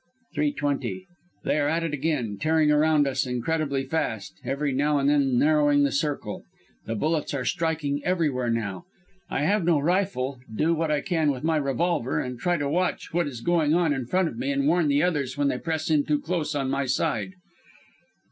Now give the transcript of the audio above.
"Three twenty. They are at it again, tearing around us incredibly fast, every now and then narrowing the circle. The bullets are striking everywhere now. I have no rifle, do what I can with my revolver, and try to watch what is going on in front of me and warn the others when they press in too close on my side."